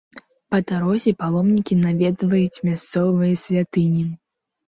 Па дарозе паломнікі наведваюць мясцовыя святыні.